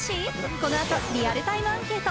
この後、リアルタイムアンケート。